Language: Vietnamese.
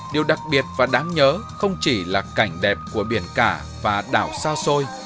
điều đặc biệt và đáng nhớ không chỉ là cảnh đẹp của biển cả và đảo xa xôi